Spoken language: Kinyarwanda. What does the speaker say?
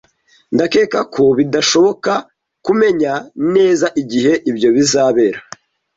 Ndakeka ko bidashoboka kumenya neza igihe ibyo bizabera.